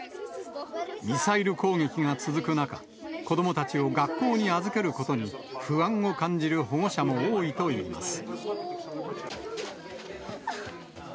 ミサイル攻撃が続く中、子どもたちを学校に預けることに、不安を感じる保護者も多いといいます。